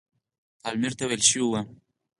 پالمر ته ویل شوي وه.